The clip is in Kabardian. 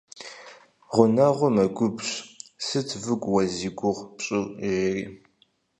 Гъунэгъур мэгубжь, сыт выгу уэ зи гугъу пщӀыр, жери.